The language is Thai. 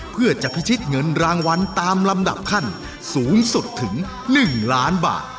เพื่อจะพิชิตเงินรางวัลตามลำดับขั้นสูงสุดถึง๑ล้านบาท